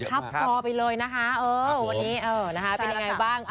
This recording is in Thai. คับคอไปเลยนะฮะวันนี้เป็นอย่างไรบ้าง